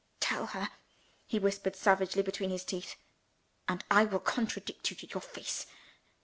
"Tell her," he whispered savagely between his teeth; "and I will contradict you to your face!